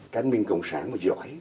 cánh binh cộng sản mà giỏi